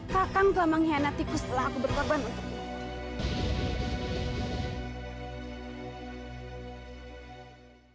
kakakmu telah mengkhianatiku setelah aku berkorban untukmu